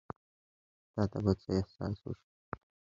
تا ته به څۀ احساس وشي ـ